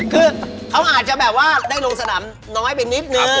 คือเขาอาจจะแบบว่าได้ลงสนามน้อยไปนิดนึง